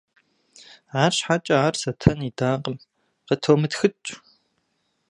Арщхьэкӏэ ар Сатэн идакъым: - Къытомытхыкӏ.